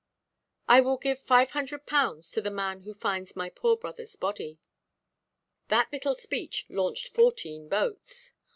"I will give 500_l._ to the man who finds my poor brotherʼs body." That little speech launched fourteen boats.